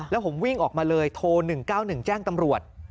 แล้วผมวิ่งออกมาเลยโทร๑๙๑แจ้งตำรวจ